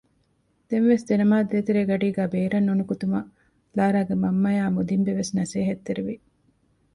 ދެންވެސް ދެނަމާދު ދޭތެރެ ގަޑީގައި ބޭރަށް ނުނިކުތުމަށް ލާރާގެ މަންމަ އާއި މުދިންބެ ވެސް ނަސޭހަތްތެރިވި